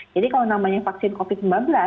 jadi kalau namanya vaksin covid sembilan belas